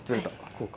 こうか。